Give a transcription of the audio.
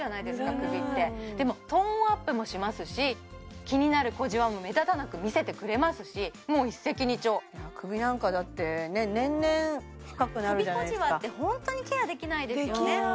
首ってでもトーンアップもしますし気になる小じわも目立たなく見せてくれますしもう一石二鳥首なんかだって年々深くなるじゃないすか首小じわってホントにケアできないですよね